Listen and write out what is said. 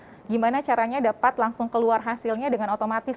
bagaimana caranya dapat langsung keluar hasilnya dengan otomatis